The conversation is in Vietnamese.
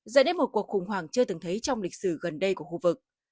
dẫn đến một cuộc khủng hoảng chưa từng thấy trong lịch sử gần đây của khu vực